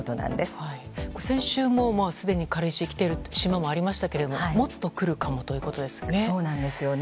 これ、先週も、もうすでに軽石来ている島もありましたけれども、もっと来るかもということでそうなんですよね。